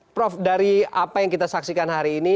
prof dari apa yang kita saksikan hari ini